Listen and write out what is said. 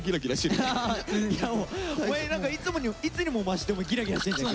お前何かいつにも増してギラギラしてんじゃん。